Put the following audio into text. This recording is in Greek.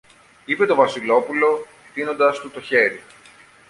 είπε το Βασιλόπουλο τείνοντας του το χέρι.